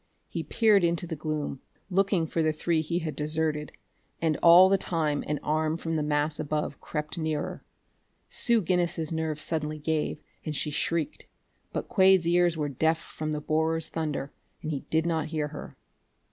He peered into the gloom, looking for the three he had deserted, and all the time an arm from the mass above crept nearer. Sue Guinness's nerves suddenly gave, and she shrieked; but Quade's ears were deaf from the borer's thunder, and he did not hear her.